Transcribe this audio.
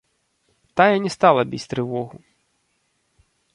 Тая не стала біць трывогу.